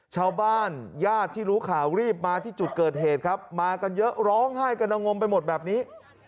ญาติที่รู้ข่าวรีบมาที่จุดเกิดเหตุครับมากันเยอะร้องไห้กระงมไปหมดแบบนี้